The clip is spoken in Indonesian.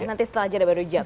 nanti setelah jeda baru jawab